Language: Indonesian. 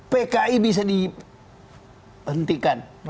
pki bisa dihentikan